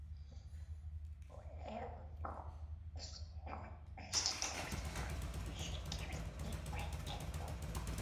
Flare Technology first worked for Amstrad before developing a technology-demonstrator system called "Flare One".